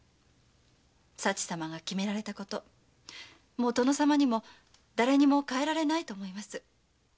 佐知様が決められたこともう殿様にも誰にも変えられないと思います。